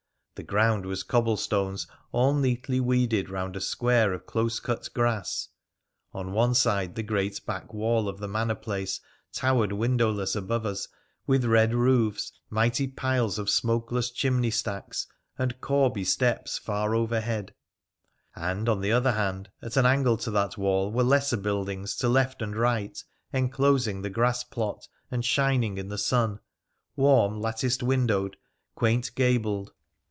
The ground was cobble stones all neatly weeded round a square of close cut grass. On one side the great back wall of the manor place towered windowless above us, with red roofs, mighty piles of smokeless chimney stacks and corbie steps far overhead ; and, on the other hand, at an angle to that wall, were lesser buildings to left and right, enclosing the grass plot and shining in the sun, warm, latticed windowed, quaint gabled.